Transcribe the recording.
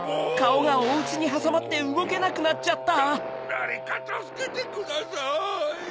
だれかたすけてください！